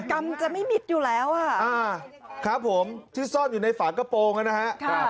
กรรมจะไม่มิดอยู่แล้วอ่ะครับผมที่ซ่อนอยู่ในฝากระโปรงนะครับ